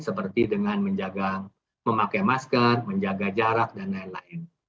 seperti dengan menjaga memakai masker menjaga jarak dan lain lain